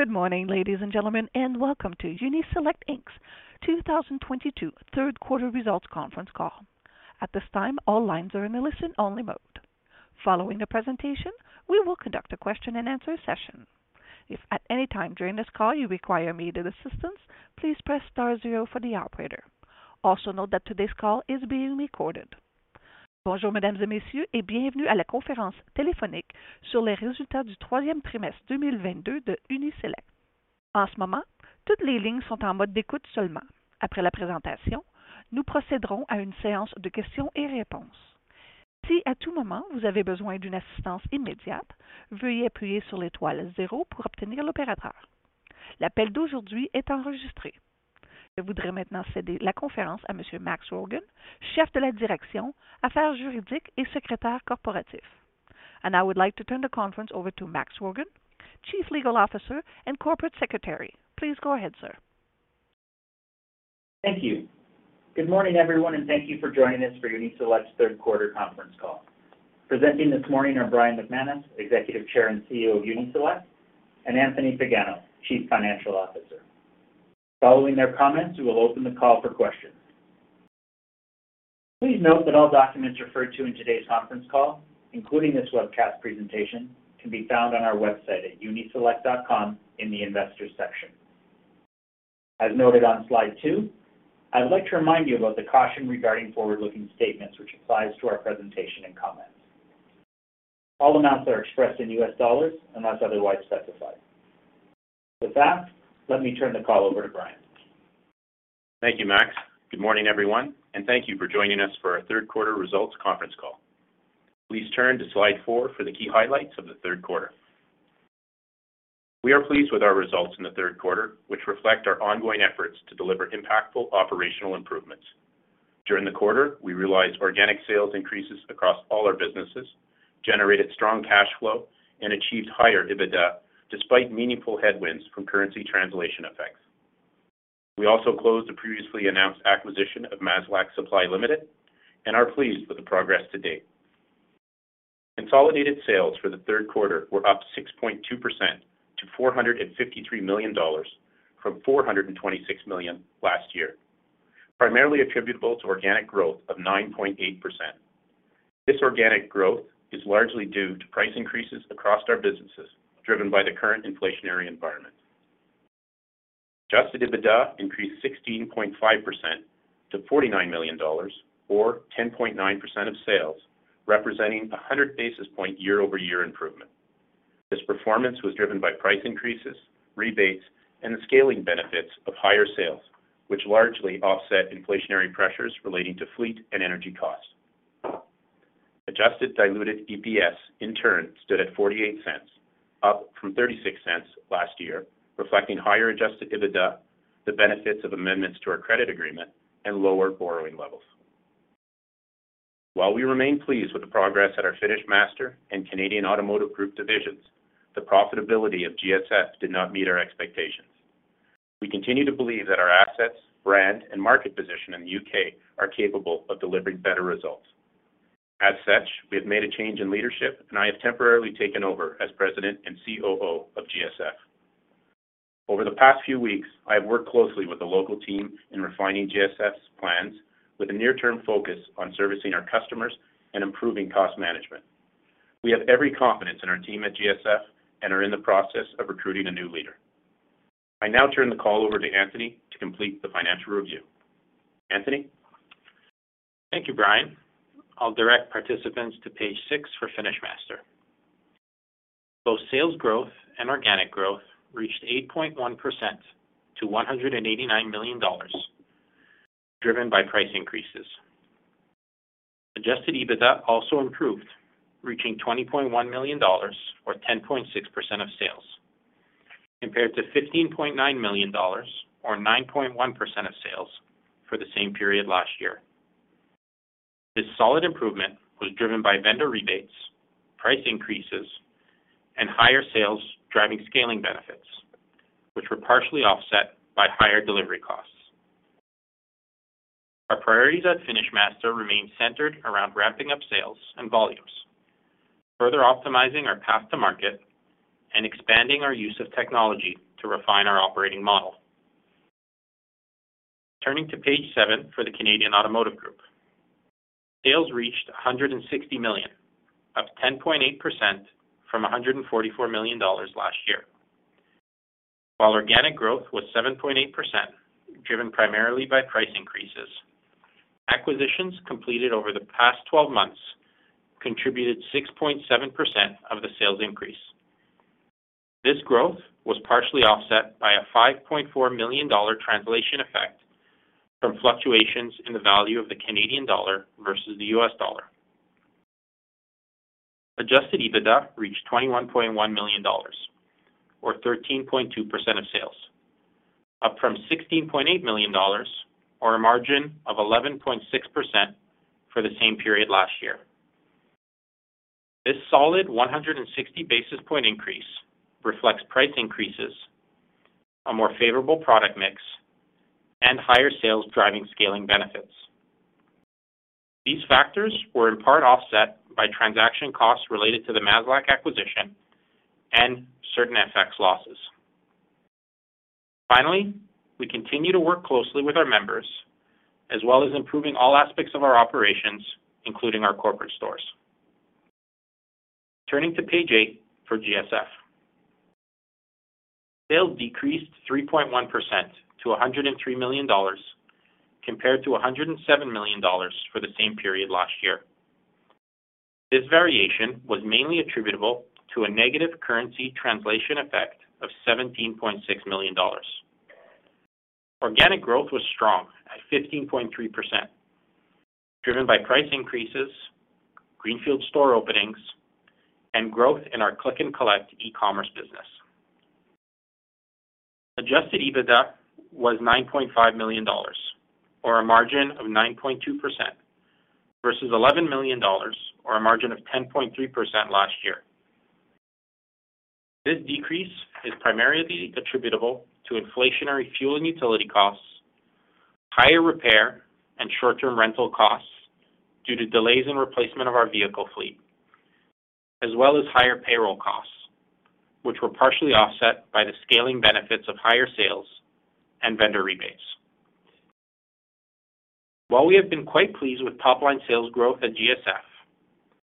Good morning, ladies and gentlemen, and welcome to Uni-Select Inc.'s 2022 Q3 results conference call. At this time, all lines are in a listen-only mode. Following the presentation, we will conduct a question-and-answer session. If at any time during this call you require immediate assistance, please press star zero for the operator. Also note that today's call is being recorded. Bonjour mesdames et messieurs et bienvenue à la conférence téléphonique sur les résultats du troisième trimestre 2022 de Uni-Select. À ce moment, toutes les lignes sont en mode d'écoute seulement. Après la présentation, nous procéderons à une séance de questions et réponses. Si à tout moment, vous avez besoin d'une assistance immédiate, veuillez appuyer sur l'étoile zéro pour obtenir l'opérateur. L'appel d'aujourd'hui est enregistré. Je voudrais maintenant céder la conférence à monsieur Max Rogan, chef de la direction, affaires juridiques et secrétaire corporatif. I would like to turn the conference over to Max Rogan, Chief Legal Officer and Corporate Secretary. Please go ahead, sir. Thank you. Good morning, everyone, and thank you for joining us for Uni-Select's Q3 conference call. Presenting this morning are Brian McManus, Executive Chair and CEO of Uni-Select, and Anthony Pagano, Chief Financial Officer. Following their comments, we will open the call for questions. Please note that all documents referred to in today's conference call, including this webcast presentation, can be found on our website at uniselect.com in the Investors section. As noted on slide two, I would like to remind you about the caution regarding forward-looking statements which applies to our presentation and comments. All amounts are expressed in US dollars unless otherwise specified. With that, let me turn the call over to Brian. Thank you, Max. Good morning, everyone, and thank you for joining us for our Q3 results conference call. Please turn to slide 4 for the key highlights of the Q3. We are pleased with our results in the Q3, which reflect our ongoing efforts to deliver impactful operational improvements. During the quarter, we realized organic sales increases across all our businesses, generated strong cash flow, and achieved higher EBITDA despite meaningful headwinds from currency translation effects. We also closed the previously announced acquisition of Maslack Supply Limited and are pleased with the progress to date. Consolidated sales for the Q3 were up 6.2% to $453 million from $426 million last year, primarily attributable to organic growth of 9.8%. This organic growth is largely due to price increases across our businesses, driven by the current inflationary environment. Adjusted EBITDA increased 16.5% to $49 million or 10.9% of sales, representing a 100 basis point year-over-year improvement. This performance was driven by price increases, rebates, and the scaling benefits of higher sales, which largely offset inflationary pressures relating to fleet and energy costs. Adjusted diluted EPS, in turn, stood at $0.48, up from $0.36 last year, reflecting higher adjusted EBITDA, the benefits of amendments to our credit agreement, and lower borrowing levels. While we remain pleased with the progress at our FinishMaster and Canadian Automotive Group divisions, the profitability of GSF did not meet our expectations. We continue to believe that our assets, brand, and market position in the UK are capable of delivering better results. As such, we have made a change in leadership, and I have temporarily taken over as President and COO of GSF. Over the past few weeks, I have worked closely with the local team in refining GSF's plans with a near-term focus on servicing our customers and improving cost management. We have every confidence in our team at GSF and are in the process of recruiting a new leader. I now turn the call over to Anthony to complete the financial review. Anthony? Thank you, Brian. I'll direct participants to page 6 for FinishMaster. Both sales growth and organic growth reached 8.1% to $189 million, driven by price increases. Adjusted EBITDA also improved, reaching $20.1 million or 10.6% of sales, compared to $15.9 million or 9.1% of sales for the same period last year. This solid improvement was driven by vendor rebates, price increases, and higher sales driving scaling benefits, which were partially offset by higher delivery costs. Our priorities at FinishMaster remain centered around ramping up sales and volumes, further optimizing our path to market, and expanding our use of technology to refine our operating model. Turning to page seven for the Canadian Automotive Group. Sales reached $160 million, up 10.8% from $144 million last year. While organic growth was 7.8%, driven primarily by price increases, acquisitions completed over the past 12 months contributed 6.7% of the sales increase. This growth was partially offset by a 5.4 million dollar translation effect from fluctuations in the value of the Canadian dollar versus the US dollar. Adjusted EBITDA reached 21.1 million dollars or 13.2% of sales, up from 16.8 million dollars or a margin of 11.6% for the same period last year. This solid 160 basis point increase reflects price increases, a more favorable product mix, and higher sales driving scaling benefits. These factors were in part offset by transaction costs related to the Maslack acquisition and certain FX losses. Finally, we continue to work closely with our members, as well as improving all aspects of our operations, including our corporate stores. Turning to page 8 for GSF. Sales decreased 3.1% to $103 million compared to $107 million for the same period last year. This variation was mainly attributable to a negative currency translation effect of $17.6 million. Organic growth was strong at 15.3%, driven by price increases, greenfield store openings, and growth in our click and collect e-commerce business. Adjusted EBITDA was $9.5 million or a margin of 9.2% versus $11 million or a margin of 10.3% last year. This decrease is primarily attributable to inflationary fuel and utility costs, higher repair and short-term rental costs due to delays in replacement of our vehicle fleet, as well as higher payroll costs, which were partially offset by the scaling benefits of higher sales and vendor rebates. While we have been quite pleased with top-line sales growth at GSF,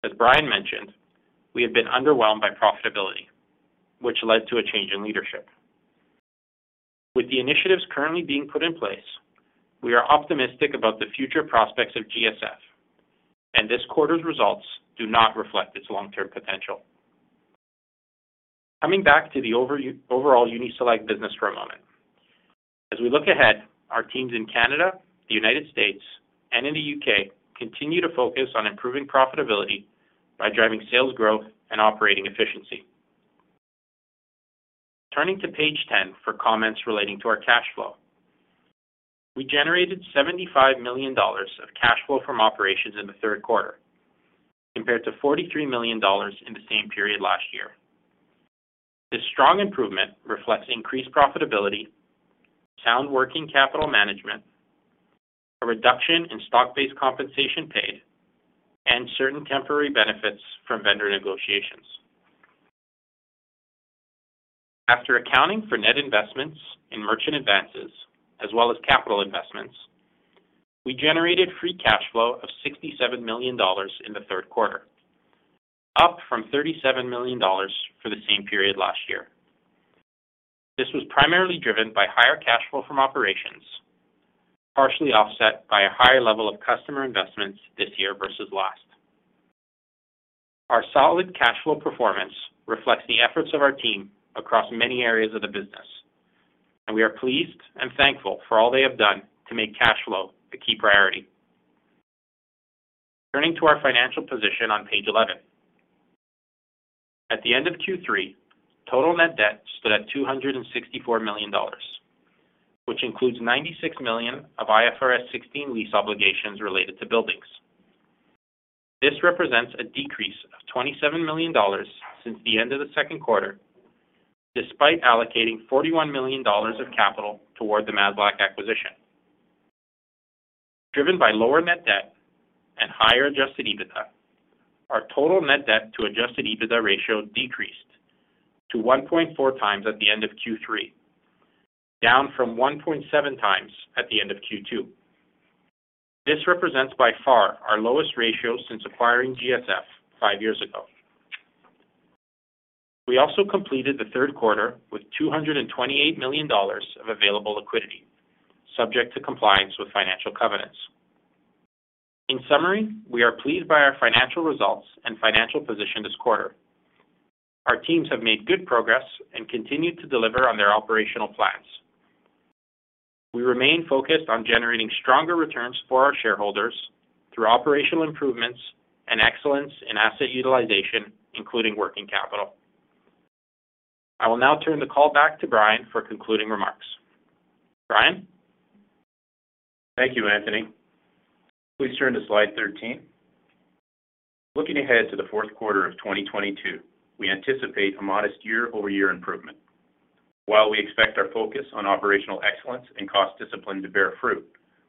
as Brian mentioned, we have been underwhelmed by profitability, which led to a change in leadership. With the initiatives currently being put in place, we are optimistic about the future prospects of GSF, and this quarter's results do not reflect its long-term potential. Coming back to the overall Uni-Select business for a moment. As we look ahead, our teams in Canada, the United States, and in the UK continue to focus on improving profitability by driving sales growth and operating efficiency. Turning to page ten for comments relating to our cash flow. We generated $75 million of cash flow from operations in the Q3 compared to $43 million in the same period last year. This strong improvement reflects increased profitability, sound working capital management, a reduction in stock-based compensation paid, and certain temporary benefits from vendor negotiations. After accounting for net investments in merchant advances as well as capital investments, we generated free cash flow of 67 million dollars in the Q3, up from 37 million dollars for the same period last year. This was primarily driven by higher cash flow from operations, partially offset by a higher level of customer investments this year versus last. Our solid cash flow performance reflects the efforts of our team across many areas of the business, and we are pleased and thankful for all they have done to make cash flow the key priority. Turning to our financial position on page 11. At the end of Q3, total net debt stood at $264 million, which includes $96 million of IFRS 16 lease obligations related to buildings. This represents a decrease of $27 million since the end of the Q2, despite allocating $41 million of capital toward the Maslack acquisition. Driven by lower net debt and higher adjusted EBITDA, our total net debt to adjusted EBITDA ratio decreased to 1.4 times at the end of Q3, down from 1.7 times at the end of Q2. This represents by far our lowest ratio since acquiring GSF five years ago. We also completed the Q3 with $228 million of available liquidity, subject to compliance with financial covenants. In summary, we are pleased by our financial results and financial position this quarter. Our teams have made good progress and continued to deliver on their operational plans. We remain focused on generating stronger returns for our shareholders through operational improvements and excellence in asset utilization, including working capital. I will now turn the call back to Brian for concluding remarks. Brian? Thank you, Anthony. Please turn to slide 13. Looking ahead to the Q4 of 2022, we anticipate a modest year-over-year improvement. While we expect our focus on operational excellence and cost discipline to bear fruit,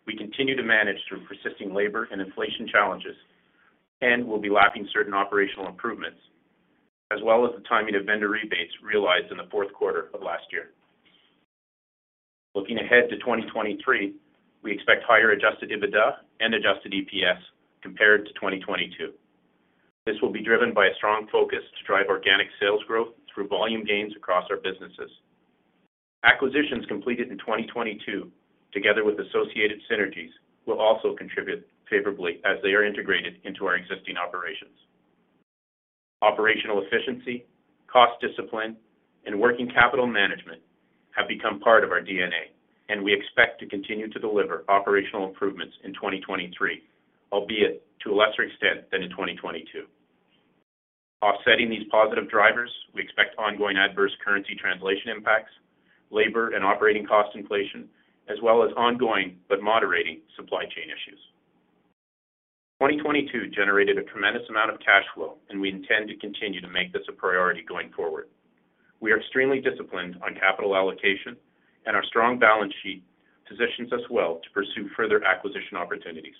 we continue to manage through persisting labor and inflation challenges and will be lacking certain operational improvements, as well as the timing of vendor rebates realized in the Q4 of last year. Looking ahead to 2023, we expect higher adjusted EBITDA and adjusted EPS compared to 2022. This will be driven by a strong focus to drive organic sales growth through volume gains across our businesses. Acquisitions completed in 2022, together with associated synergies, will also contribute favorably as they are integrated into our existing operations. Operational efficiency, cost discipline, and working capital management have become part of our DNA, and we expect to continue to deliver operational improvements in 2023, albeit to a lesser extent than in 2022. Offsetting these positive drivers, we expect ongoing adverse currency translation impacts, labor and operating cost inflation, as well as ongoing but moderating supply chain issues. 2022 generated a tremendous amount of cash flow, and we intend to continue to make this a priority going forward. We are extremely disciplined on capital allocation and our strong balance sheet positions us well to pursue further acquisition opportunities.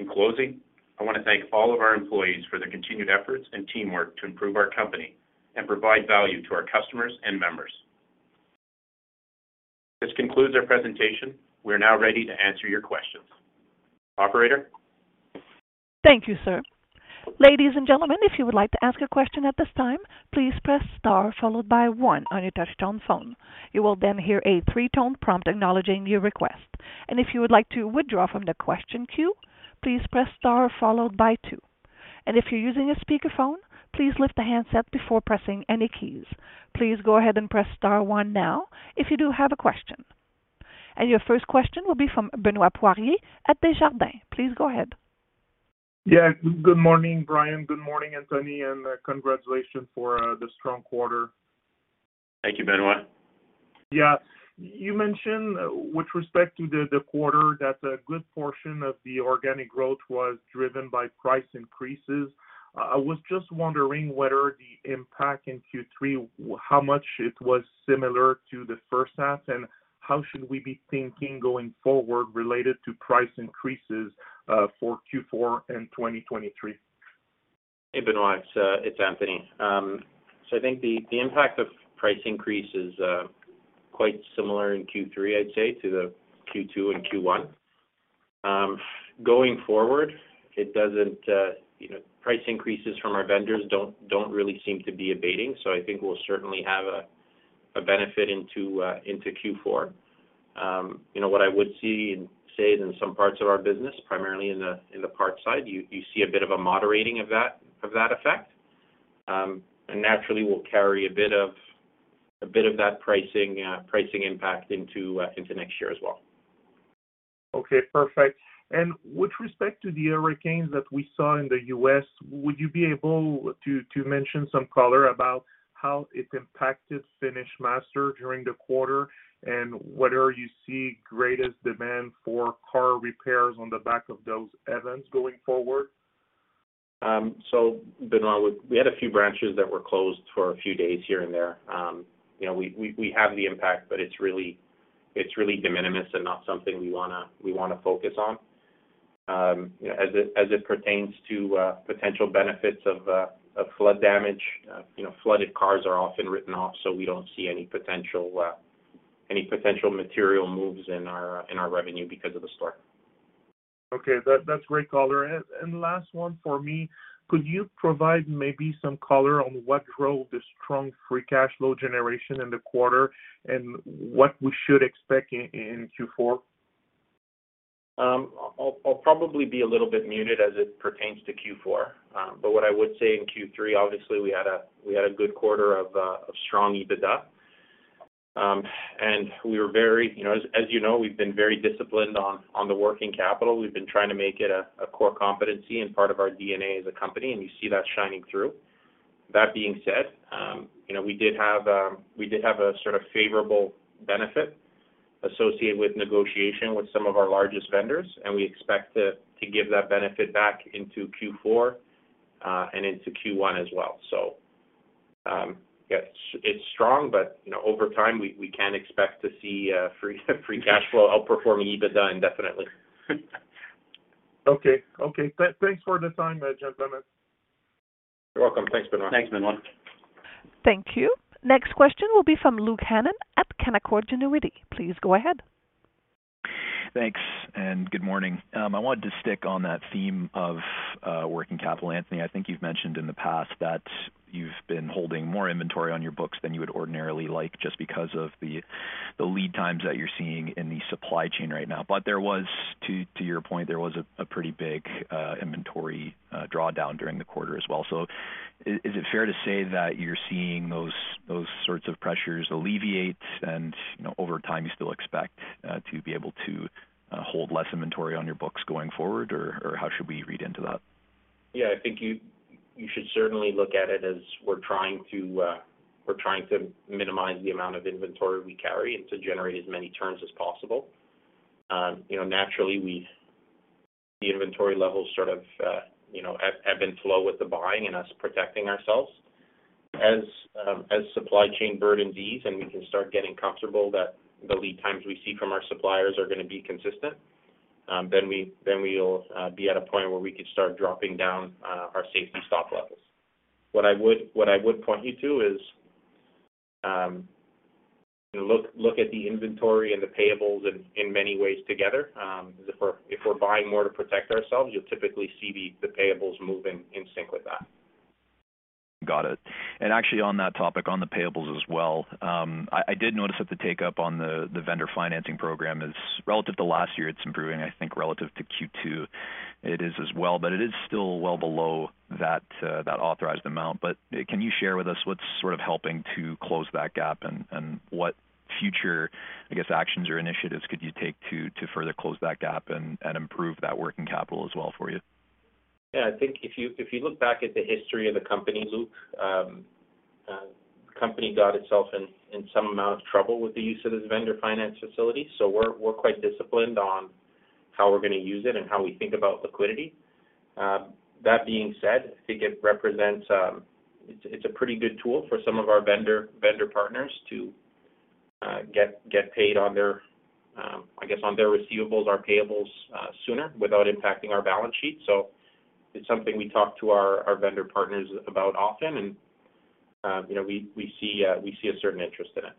In closing, I wanna thank all of our employees for their continued efforts and teamwork to improve our company and provide value to our customers and members. This concludes our presentation. We are now ready to answer your questions. Operator? Thank you, sir. Ladies and gentlemen, if you would like to ask a question at this time, please press star followed by one on your touchtone phone. You will then hear a three-tone prompt acknowledging your request. If you would like to withdraw from the question queue, please press star followed by two. If you're using a speakerphone, please lift the handset before pressing any keys. Please go ahead and press star one now if you do have a question. Your first question will be from Benoit Poirier at Desjardins. Please go ahead. Yeah. Good morning, Brian. Good morning, Anthony, and congratulations for the strong quarter. Thank you, Benoit. Yeah. You mentioned with respect to the quarter that a good portion of the organic growth was driven by price increases. I was just wondering whether the impact in Q3, how much it was similar to the first half, and how should we be thinking going forward related to price increases for Q4 and 2023. Hey, Benoit. It's Anthony. So I think the impact of price increase is quite similar in Q3, I'd say, to the Q2 and Q1. Going forward, it doesn't, price increases from our vendors don't really seem to be abating. So I think we'll certainly have a benefit into Q4. You know, what I would see and say that in some parts of our business, primarily in the parts side, you see a bit of a moderating of that effect. Naturally, we'll carry a bit of that pricing impact into next year as well. Okay, perfect. With respect to the hurricanes that we saw in the U.S., would you be able to mention some color about how it impacted FinishMaster during the quarter? Whether you see greater demand for car repairs on the back of those events going forward? Benoit, we had a few branches that were closed for a few days here and there. You know, we have the impact, but it's really de minimis and not something we wanna focus on. As it pertains to potential benefits of flood damage, flooded cars are often written off, so we don't see any potential material moves in our revenue because of the storm. Okay. That's great color. Last one for me. Could you provide maybe some color on what drove the strong free cash flow generation in the quarter and what we should expect in Q4? I'll probably be a little bit muted as it pertains to Q4. What I would say in Q3, obviously, we had a good quarter of strong EBITDA. We were very, we've been very disciplined on the working capital. We've been trying to make it a core competency and part of our DNA as a company, and you see that shining through. That being said, we did have a sort of favorable benefit associated with negotiation with some of our largest vendors, and we expect to give that benefit back into Q4 and into Q1 as well. Yeah, it's strong, but you know, over time, we can't expect to see free cash flow outperforming EBITDA indefinitely. Okay. Thanks for the time, gentlemen. You're welcome. Thanks, Benoit. Thanks, Benoit. Thank you. Next question will be from Luke Hannan at Canaccord Genuity. Please go ahead. Thanks, good morning. I wanted to stick on that theme of working capital. Anthony, I think you've mentioned in the past that you've been holding more inventory on your books than you would ordinarily like just because of the lead times that you're seeing in the supply chain right now. To your point, there was a pretty big inventory drawdown during the quarter as well. Is it fair to say that you're seeing those sorts of pressures alleviate and, you know, over time, you still expect to be able to hold less inventory on your books going forward? Or how should we read into that? Yeah. I think you should certainly look at it as we're trying to minimize the amount of inventory we carry and to generate as many turns as possible. You know, naturally, the inventory levels sort of ebb and flow with the buying and us protecting ourselves. As supply chain burdens ease and we can start getting comfortable that the lead times we see from our suppliers are gonna be consistent, then we'll be at a point where we could start dropping down our safety stock levels. What I would point you to is look at the inventory and the payables in many ways together. 'Cause if we're buying more to protect ourselves, you'll typically see the payables moving in sync with that. Got it. Actually, on that topic, on the payables as well, I did notice that the take-up on the vendor financing program is relative to last year, it's improving. I think relative to Q2, it is as well, but it is still well below that authorized amount. Can you share with us what's sort of helping to close that gap and what future, I guess, actions or initiatives could you take to further close that gap and improve that working capital as well for you? Yeah. I think if you look back at the history of the company, Luke, the company got itself in some amount of trouble with the use of this vendor finance facility. We're quite disciplined on how we're gonna use it and how we think about liquidity. That being said, I think it represents, it's a pretty good tool for some of our vendor partners to get paid on their, I guess, on their receivables or payables sooner without impacting our balance sheet. It's something we talk to our vendor partners about often, and we see a certain interest in it.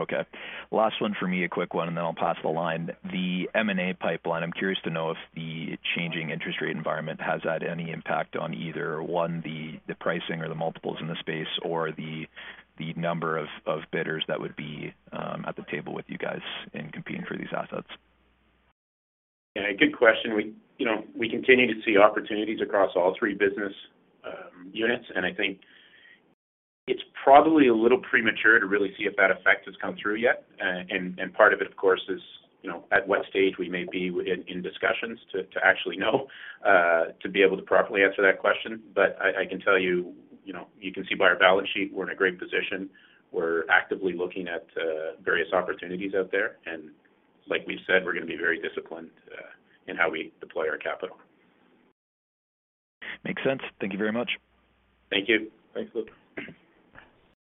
Okay. Last one for me, a quick one, and then I'll pass the line. The M&A pipeline, I'm curious to know if the changing interest rate environment has had any impact on either one, the pricing or the multiples in the space or the number of bidders that would be at the table with you guys in competing for these assets. Yeah. Good question. We, continue to see opportunities across all three business units, and I think it's probably a little premature to really see if that effect has come through yet. Part of it, of course, is at what stage we may be in discussions to actually know to be able to properly answer that question. I can tell, you can see by our balance sheet we're in a great position. We're actively looking at various opportunities out there, and like we said, we're gonna be very disciplined in how we deploy our capital. Makes sense. Thank you very much. Thank you. Thanks, Luke.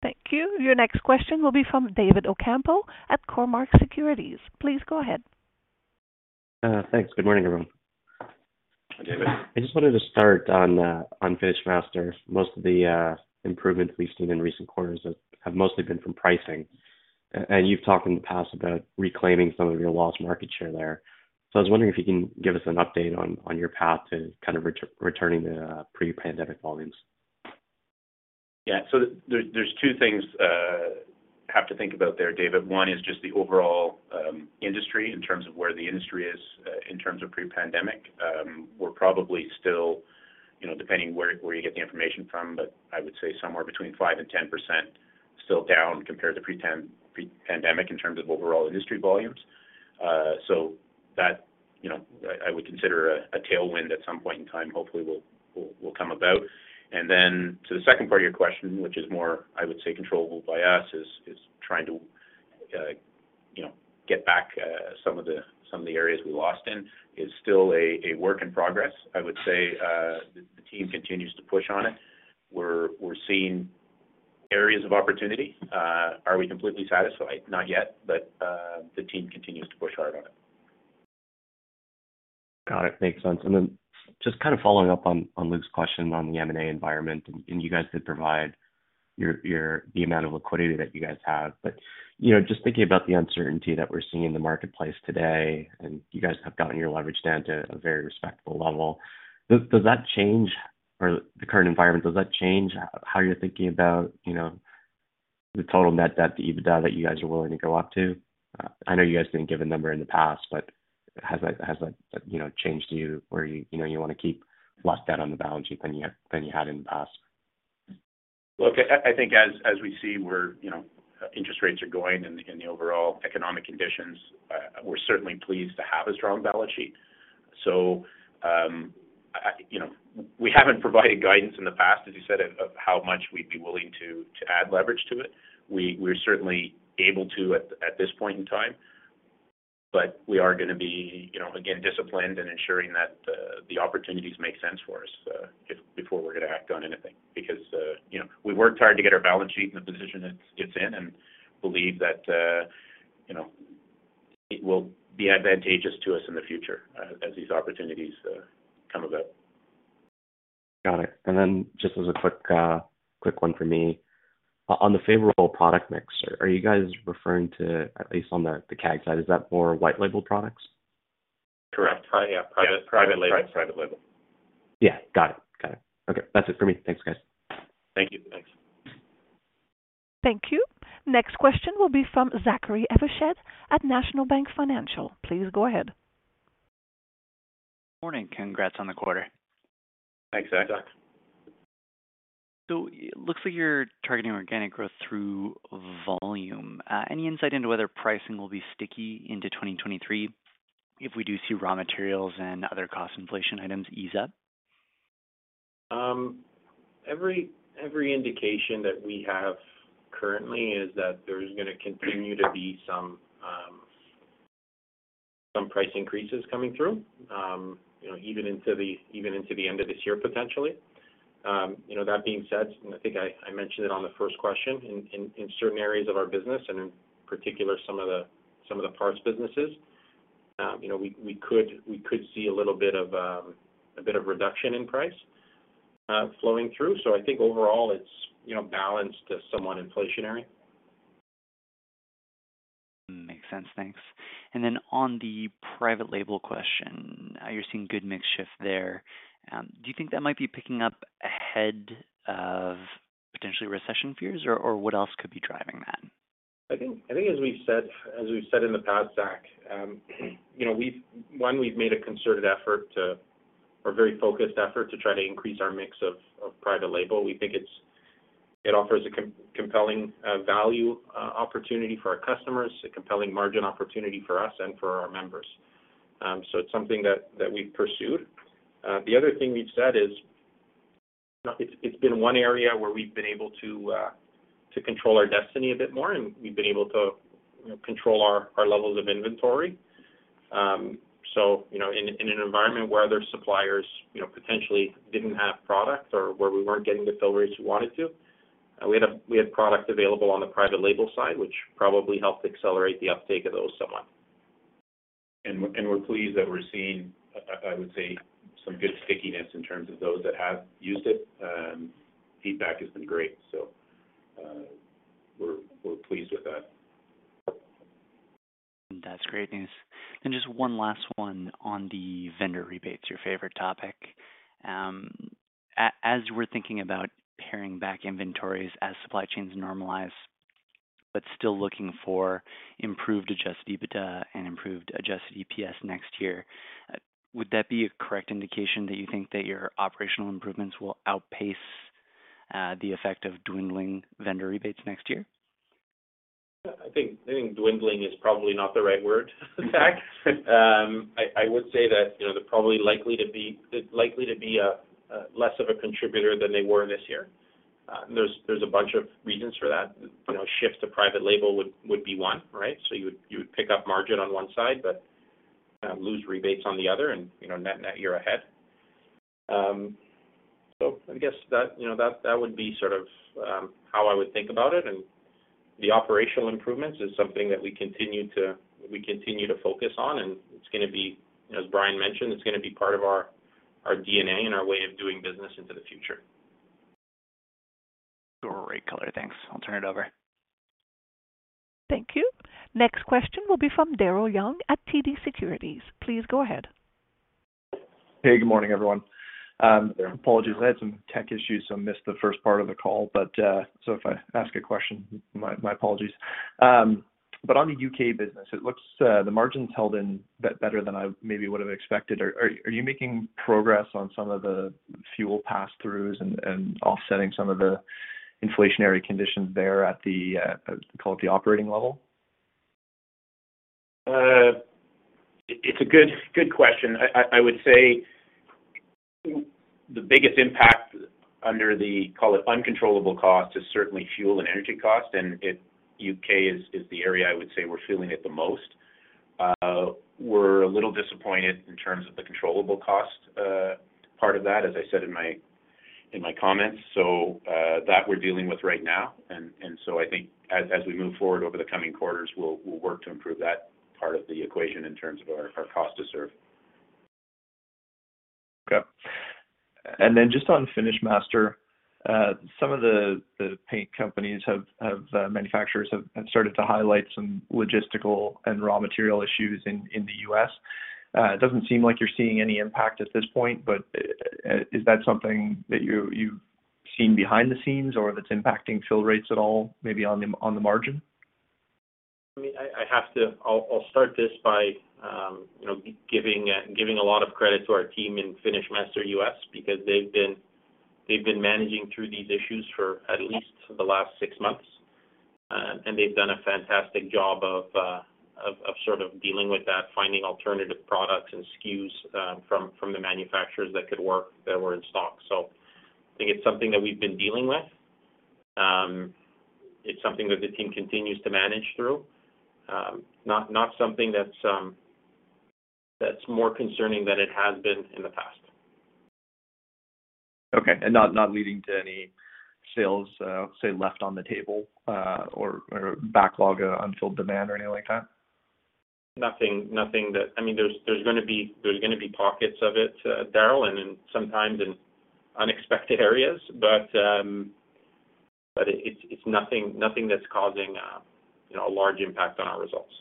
Thank you. Your next question will be from David Ocampo at Cormark Securities. Please go ahead. Thanks. Good morning, everyone. Hi, David. I just wanted to start on FinishMaster. Most of the improvements we've seen in recent quarters have mostly been from pricing. You've talked in the past about reclaiming some of your lost market share there. I was wondering if you can give us an update on your path to kind of returning to pre-pandemic volumes. Yeah. There's two things have to think about there, David. One is just the overall industry in terms of where the industry is in terms of pre-pandemic. We're probably still, depending where you get the information from, but I would say somewhere between 5% and 10% still down compared to pre-pandemic in terms of overall industry volumes. So that, I would consider a tailwind at some point in time, hopefully will come about. To the second part of your question, which is more, I would say, controllable by us, is trying to, get back some of the areas we lost in. It's still a work in progress. I would say the team continues to push on it. We're seeing areas of opportunity. Are we completely satisfied? Not yet, but the team continues to push hard on it. Got it. Makes sense. Just kind of following up on Luke's question on the M&A environment, and you guys did provide the amount of liquidity that you guys have. You know, just thinking about the uncertainty that we're seeing in the marketplace today, and you guys have gotten your leverage down to a very respectable level. Does that change or the current environment change how you're thinking about, the total net debt to EBITDA that you guys are willing to go up to? I know you guys didn't give a number in the past, but has that changed to where you wanna keep less debt on the balance sheet than you had in the past? Look, I think as we see where, interest rates are going and the overall economic conditions, we're certainly pleased to have a strong balance sheet. You know, we haven't provided guidance in the past, as you said, of how much we'd be willing to add leverage to it. We're certainly able to at this point in time, but we are gonna be, again, disciplined in ensuring that the opportunities make sense for us before we're gonna act on anything. Because, we worked hard to get our balance sheet in the position it's in and believe that, it will be advantageous to us in the future as these opportunities come about. Got it. Just as a quick one for me. On the favorable product mix, are you guys referring to, at least on the CAG side, is that more white label products? Correct. Yeah. Private label. Private label. Yeah. Got it. Okay. That's it for me. Thanks, guys. Thank you. Thanks. Thank you. Next question will be from Zachary Evershed at National Bank Financial. Please go ahead. Morning. Congrats on the quarter. Thanks, Zach. Thanks. It looks like you're targeting organic growth through volume. Any insight into whether pricing will be sticky into 2023 if we do see raw materials and other cost inflation items ease up? Every indication that we have currently is that there's gonna continue to be some price increases coming through, even into the end of this year, potentially. You know, that being said, I think I mentioned it on the first question, in certain areas of our business and in particular some of the parts businesses, we could see a little bit of a bit of reduction in price flowing through. I think overall it's, balanced to somewhat inflationary. Makes sense. Thanks. On the private label question, you're seeing good mix shift there. Do you think that might be picking up ahead of potentially recession fears, or what else could be driving that? I think as we've said in the past, Zach, we've made a concerted effort to, or very focused effort to try to increase our mix of private label. We think it offers a compelling value opportunity for our customers, a compelling margin opportunity for us and for our members. So it's something that we've pursued. The other thing we've said is, it's been one area where we've been able to control our destiny a bit more, and we've been able to, control our levels of inventory. You know, in an environment where other suppliers, potentially didn't have product or where we weren't getting the fill rates we wanted to, we had product available on the private label side, which probably helped accelerate the uptake of those somewhat. We're pleased that we're seeing, I would say, some good stickiness in terms of those that have used it. Feedback has been great. We're pleased with that. That's great news. Just one last one on the vendor rebates, your favorite topic. As we're thinking about paring back inventories as supply chains normalize, but still looking for improved adjusted EBITDA and improved adjusted EPS next year, would that be a correct indication that you think that your operational improvements will outpace the effect of dwindling vendor rebates next year? I think dwindling is probably not the right word, in fact. I would say that, they're probably likely to be a less of a contributor than they were this year. And there's a bunch of reasons for that. You know, shift to private label would be one, right? So you would pick up margin on one side but lose rebates on the other and, net you're ahead. So I guess that would be sort of how I would think about it. The operational improvements is something that we continue to focus on, and it's gonna be, as Brian mentioned, it's gonna be part of our DNA and our way of doing business into the future. Great color. Thanks. I'll turn it over. Thank you. Next question will be from Darryl Young at TD Securities. Please go ahead. Hey, good morning, everyone. Good morning, Darryl. Apologies. I had some tech issues, so I missed the first part of the call. If I ask a question, my apologies. On the UK business, it looks the margins held in better than I maybe would have expected. Are you making progress on some of the fuel pass-throughs and offsetting some of the inflationary conditions there at the call it the operating level? It's a good question. I would say the biggest impact under the, call it uncontrollable cost is certainly fuel and energy cost, and in the U.K. is the area I would say we're feeling it the most. We're a little disappointed in terms of the controllable cost part of that, as I said in my comments, that we're dealing with right now. I think as we move forward over the coming quarters, we'll work to improve that part of the equation in terms of our cost to serve. Just on FinishMaster, some of the manufacturers have started to highlight some logistical and raw material issues in the U.S. It doesn't seem like you're seeing any impact at this point, but is that something that you've seen behind the scenes or if it's impacting fill rates at all, maybe on the margin? I mean, I'll start this by, giving a lot of credit to our team in FinishMaster US because they've been managing through these issues for at least the last six months. They've done a fantastic job of sort of dealing with that, finding alternative products and SKUs from the manufacturers that could work that were in stock. I think it's something that we've been dealing with. It's something that the team continues to manage through. Not something that's more concerning than it has been in the past. Okay. Not leading to any sales, say, left on the table, or backlog, unfilled demand or anything like that? Nothing. I mean, there's gonna be pockets of it, Darryl, and sometimes in unexpected areas, but it's nothing that's causing, a large impact on our results.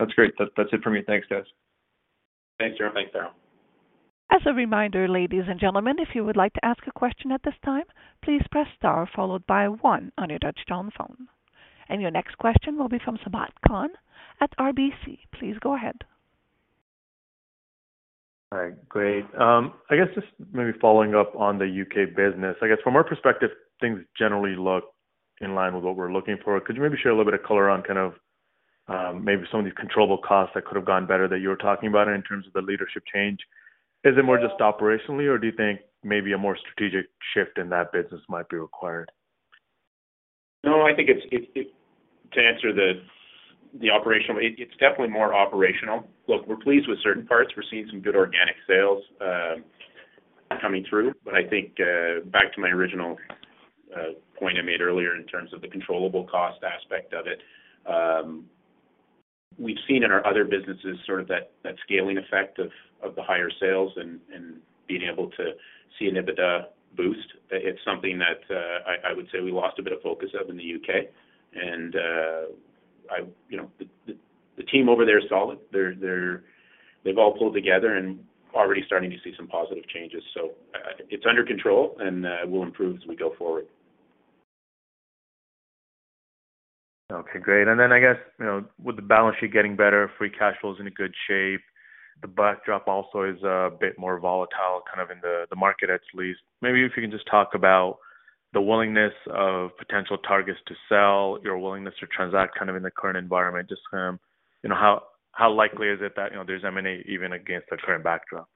That's great. That's it for me. Thanks, guys. Thanks, Darryl. Thanks, Darryl. As a reminder, ladies and gentlemen, if you would like to ask a question at this time, please press star followed by one on your touchtone phone. Your next question will be from Sabahat Khan at RBC. Please go ahead. All right. Great. I guess just maybe following up on the UK business. I guess from our perspective, things generally look in line with what we're looking for. Could you maybe share a little bit of color on kind of, maybe some of these controllable costs that could have gone better that you're talking about in terms of the leadership change? Is it more just operationally, or do you think maybe a more strategic shift in that business might be required? No, I think it's. To answer the operational, it's definitely more operational. Look, we're pleased with certain parts. We're seeing some good organic sales coming through. But I think back to my original point I made earlier in terms of the controllable cost aspect of it, we've seen in our other businesses sort of that scaling effect of the higher sales and being able to see an EBITDA boost. It's something that I would say we lost a bit of focus of in the UK. You know, the team over there is solid. They've all pulled together and already starting to see some positive changes. It's under control and will improve as we go forward. Okay, great. I guess, you know, with the balance sheet getting better, free cash flow is in a good shape. The backdrop also is a bit more volatile, kind of in the market at least. Maybe if you can just talk about The willingness of potential targets to sell, your willingness to transact kind of in the current environment, just kind of how likely is it that, there's M&A even against the current backdrop?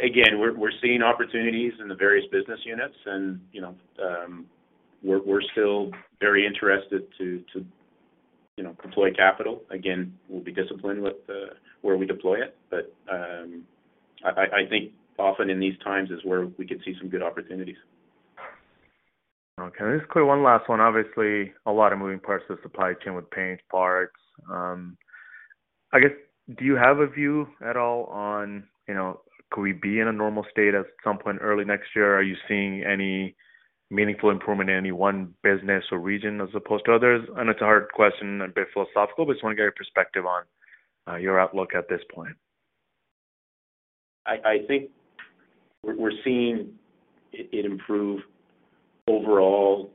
Again, we're seeing opportunities in the various business units and, you know, we're still very interested to, deploy capital. Again, we'll be disciplined with where we deploy it. I think often in these times is where we could see some good opportunities. Okay. Let me just clear one last one. Obviously, a lot of moving parts of the supply chain with paint, parts. I guess, do you have a view at all on, could we be in a normal state at some point early next year? Are you seeing any meaningful improvement in any one business or region as opposed to others? I know it's a hard question, a bit philosophical, but just wanna get your perspective on, your outlook at this point. I think we're seeing it improve overall.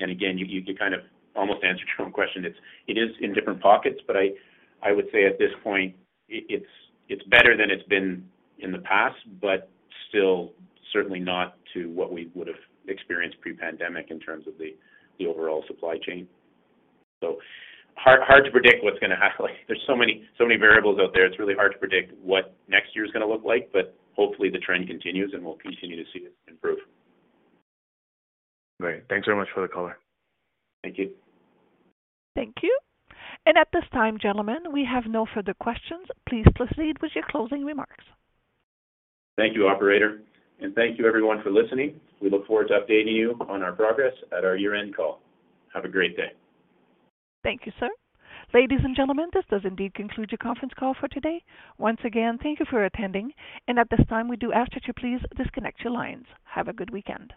Again, you kind of almost answered your own question. It is in different pockets, but I would say at this point, it's better than it's been in the past, but still certainly not to what we would have experienced pre-pandemic in terms of the overall supply chain. Hard to predict what's gonna happen. There's so many variables out there, it's really hard to predict what next year is gonna look like. Hopefully, the trend continues, and we'll continue to see this improve. Great. Thanks very much for the color. Thank you. Thank you. At this time, gentlemen, we have no further questions. Please proceed with your closing remarks. Thank you, operator, and thank you everyone for listening. We look forward to updating you on our progress at our year-end call. Have a great day. Thank you, sir. Ladies and gentlemen, this does indeed conclude your conference call for today. Once again, thank you for attending. At this time, we do ask that you please disconnect your lines. Have a good weekend.